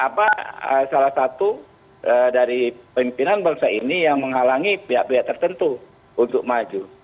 apa salah satu dari pemimpinan bangsa ini yang menghalangi pihak pihak tertentu untuk maju